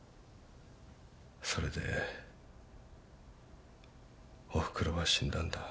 それでおふくろは死んだんだ。